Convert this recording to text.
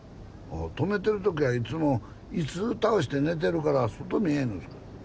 止めてる時はいつも椅子倒して寝てるから外見えんのですよ。